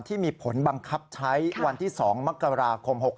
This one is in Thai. ที่มีผลบังคับใช้วันที่๒มกราคม๖๖